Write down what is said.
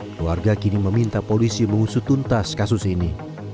keluarga kini meminta polisi mengusutuntas kasus ini